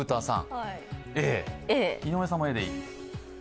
井上さんもＡでいい？